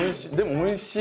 おいしい。